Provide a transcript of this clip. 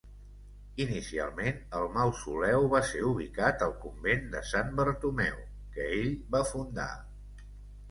Inicialment el mausoleu va ser ubicat al convent de Sant Bartomeu, que ell va fundar.